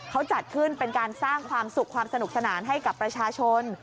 เขาจัดขึ้นเป็นการสร้างความสุขความสนุกสนานให้กับประชาชน